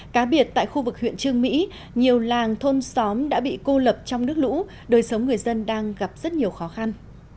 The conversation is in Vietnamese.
cá biệt tại khu vực huyện trương mỹ nhiều làng thôn xóm đã bị cô lập trong nước lũ đời sống người dân đang gặp rất nhiều khó khăn